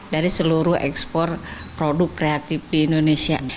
dari seluruh ekspor produk kreatif di indonesia